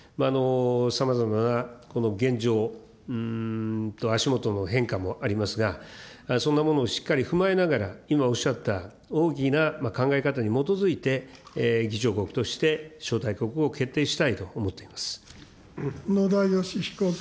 さまざまなこの現状、足下の変化もありますが、そんなものをしっかり踏まえながら、今おっしゃった大きな考え方に基づいて、議長国として招待国を決定したいと思っています。